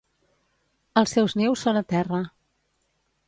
Els seus nius són a terra.